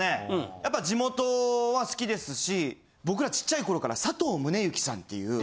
やっぱ地元は好きですし僕らちっちゃい頃からさとう宗幸さんっていう。